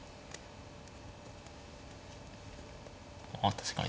確かに。